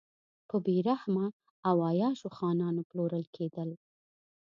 په بې رحمه او عیاشو خانانو پلورل کېدل.